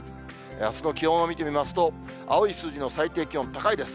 あすの気温を見てみますと、青い数字の最低気温、高いです。